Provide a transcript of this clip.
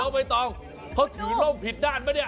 ก็ไม่ต้องเขาถือร่มผิดด้านป่ะเนี่ย